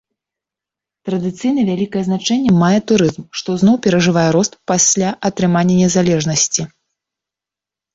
Традыцыйна вялікае значэнне мае турызм, што зноў перажывае рост пасля атрымання незалежнасці.